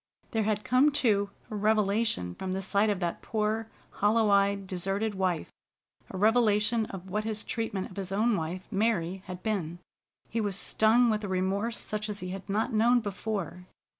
There had come, too, a revelation from the sight of that poor, hollow eyed, deserted wife, a revelation of what his treatment of his own wife, Mary, had been. He was stung with a remorse such as he had not known before.